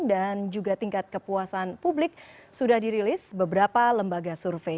dan juga tingkat kepuasan publik sudah dirilis beberapa lembaga survei